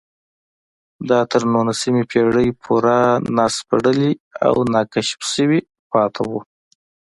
دا تر نولسمې پېړۍ پورې ناسپړلي او ناکشف شوي پاتې وو